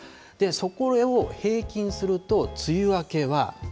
それを平均すると梅雨明けは。